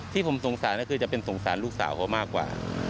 ที่ผมสงสารก็คือจะเป็นสงสารลูกสาวเขามากกว่า